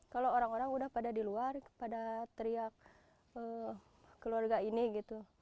kalau orang orang udah pada di luar pada teriak keluarga ini gitu